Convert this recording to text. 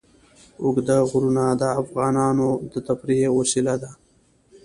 اوږده غرونه د افغانانو د تفریح یوه وسیله ده.